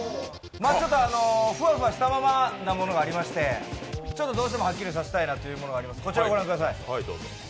フワフワしたままなものがありましてどうしてもはっきりさせたいものがあります。